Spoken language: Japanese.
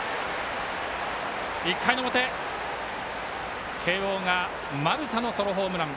１回の表、慶応が丸田のソロホームラン。